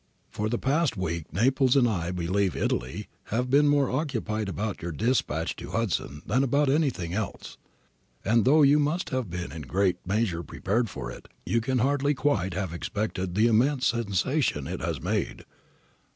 ' For the last week Naples, and I believe Italy, have been more occupied about your dispatch to Hudson than about anything else, and though you must have been in great measure prepared for it, you can hardly quite have expected the immense sensation it has made.